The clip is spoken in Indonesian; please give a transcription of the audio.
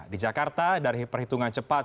di jakarta dari perhitungan cepat